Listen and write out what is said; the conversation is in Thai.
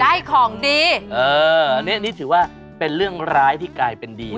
อันนี้ถือว่าเป็นเรื่องร้ายที่กลายเป็นดีนะ